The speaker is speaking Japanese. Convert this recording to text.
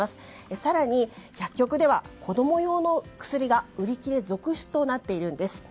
更に薬局では子供用の薬が売り切れ続出となっているんです。